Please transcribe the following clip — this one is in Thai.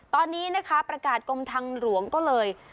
ตอนนี้นะคะประกาศกรมทางหลวงก็เลย